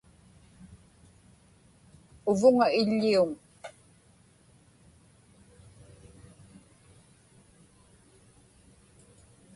uvuŋa iḷḷiuŋ